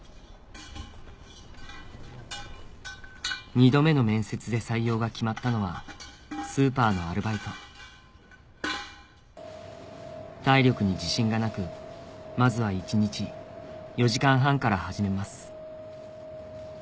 ２度目の面接で採用が決まったのはスーパーのアルバイト体力に自信がなくまずは一日４時間半から始めます